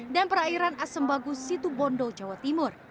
dan perairan assembagu situ bondo jawa timur